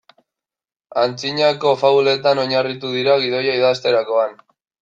Antzinako fabuletan oinarritu dira gidoia idazterakoan.